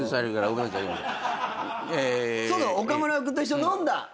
そうそう岡村君と一緒に飲んだ！